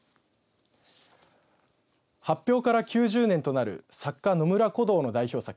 発表から９０年となる作家、野村胡堂の代表作